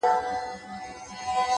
هره ورځ د نوې موخې چانس لري؛